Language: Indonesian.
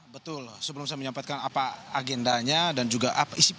betul sebelum saya menyampaikan apa agendanya dan juga apa isinya